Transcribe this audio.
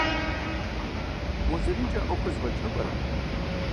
МузэринкӀэ а Ӏуэхур зэфӀэкӀыну пӀэрэ?